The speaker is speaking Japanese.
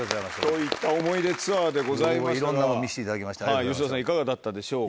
といった思い出ツアーでございましたが吉田さんいかがだったでしょうか？